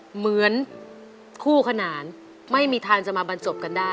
เหมือนคู่ขนานไม่มีทางจะมาบรรจบกันได้